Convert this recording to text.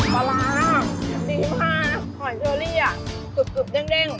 ปลาร้าค่ะดีมากหอยเชอรี่อะจุดเต็ม